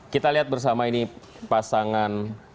kita lihat bersama ini pasangan